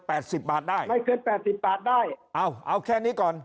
ไม่เกิน๘๐บาทได้ไม่เกิน๘๐บาทได้เอาเอาแค่นี้ก่อน